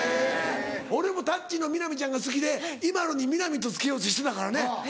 俺も『タッチ』の南ちゃんが好きでＩＭＡＬＵに南と付けようとしてたからね。